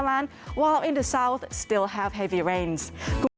ที่สุดของประเทศไทยยังมีความความความสุดของประเทศไทย